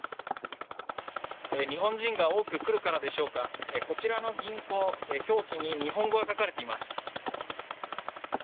日本人が多く来るからでしょうか、こちらの銀行、表記に日本語が書かれています。